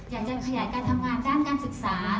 อยากจะขยายการทำงานด้านการศึกษา